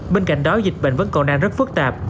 bên cạnh đó dịch bệnh vẫn còn đang rất phức tạp